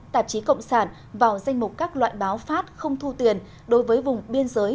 tạp chí cộng sản vào danh mục các loại báo phát không thu tiền đối với vùng biên giới